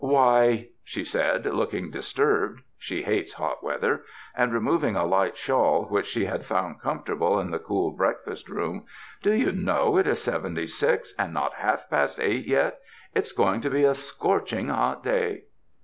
"Why," she said, looking disturbed— she hates hot weather — and removing a light shawl which she had found comfortable in the cool breakfast room, "do you know it is seventy six and not half past eight yet? It's going to be a scorching hot day."